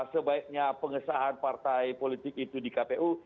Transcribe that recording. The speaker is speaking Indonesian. sebaiknya pengesahan partai politik itu di kpu